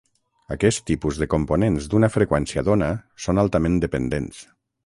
Aquest tipus de components d'una freqüència d'ona són altament dependents.